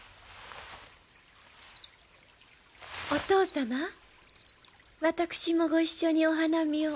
お父様私もご一緒にお花見を。